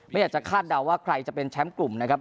ไม่อยากจะคาดเดาว่าใครจะเป็นแชมป์กลุ่มนะครับ